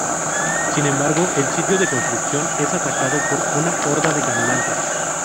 Sin embargo, el sitio de construcción es atacado por una horda de caminantes.